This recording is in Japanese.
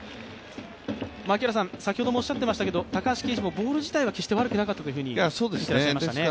先ほどもおっしゃっていましたけれども、高橋奎二もボール自体は決して悪くなかったとおっしゃっていましたね。